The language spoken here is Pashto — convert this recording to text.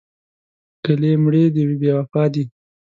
ګلې مړې دې بې وفا دي.